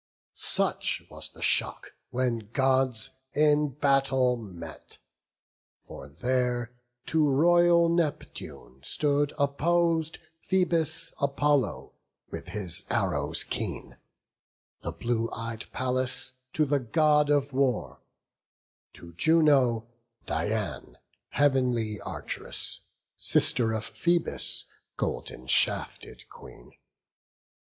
Such was the shock when Gods in battle met; For there to royal Neptune stood oppos'd Phoebus Apollo with his arrows keen; The blue ey'd Pallas to the God of War; To Juno, Dian, heav'nly Archeress, Sister of Phoebus, golden shafted Queen.